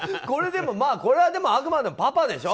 これはでもあくまでもパパでしょ。